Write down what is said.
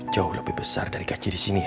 jauh lebih besar dari gaji disini ya